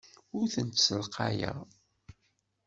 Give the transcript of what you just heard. Ur tent-ssalqayeɣ.